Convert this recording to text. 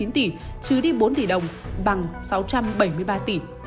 ba tám trăm bốn mươi chín tỷ chứ đi bốn tỷ đồng bằng sáu trăm bảy mươi ba tỷ